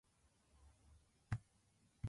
新しいカフェが駅前にできたそうです。